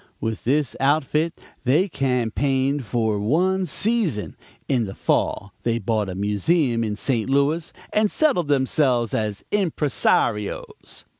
With this outfit they campaigned for one season; in the fall they bought a museum in St. Louis and settled themselves as impresarios.